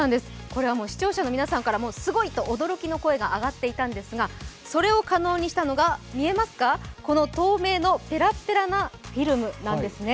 これは視聴者の皆さんからすごいと驚きの声が上がっていたんですが、それを可能にしたのが、見えますかこの透明のペラペラなフィルムなんですね。